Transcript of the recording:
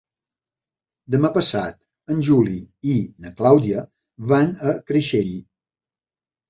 Demà passat en Juli i na Clàudia van a Creixell.